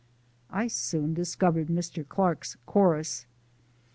I soon discovered Mr. Clark's chorus.